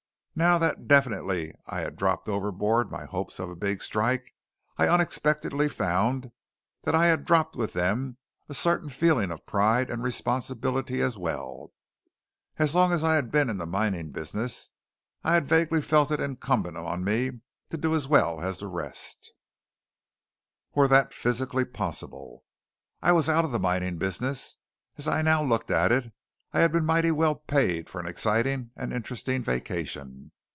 Now that definitely I had dropped overboard my hopes of a big strike, I unexpectedly found that I had dropped with them a certain feeling of pride and responsibility as well. As long as I had been in the mining business I had vaguely felt it incumbent on me to do as well as the rest, were that physically possible. I was out of the mining business. As I now looked at it, I had been mighty well paid for an exciting and interesting vacation.